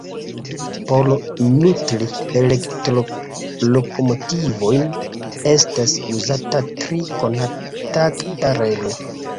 Por nutri elektrolokomotivojn estas uzata tri kontakta relo.